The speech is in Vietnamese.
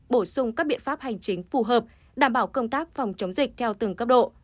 bổ sung các biện pháp hành chính phù hợp đảm bảo công tác phòng chống dịch theo từng cấp độ